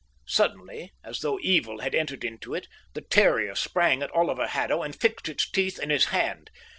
Suddenly, as though evil had entered into it, the terrier sprang at Oliver Haddo and fixed its teeth in his hand.